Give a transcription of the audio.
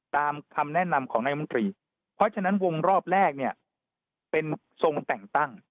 คำแนะนำของนายมนตรีเพราะฉะนั้นวงรอบแรกเนี่ยเป็นทรงแต่งตั้ง